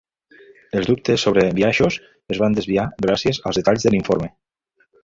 Els dubtes sobre biaixos es van desviar gràcies als detalls de l'informe.